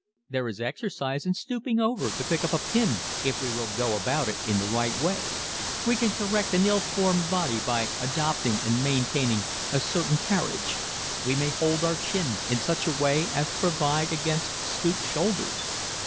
_There is exercise in stooping over to pick up a pin if we will go about it the right way. We can correct an ill formed body by adopting and maintaining a certain carriage. We may hold our chin in such a way as to provide against stooped shoulders.